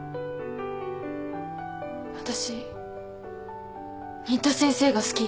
私新田先生が好き。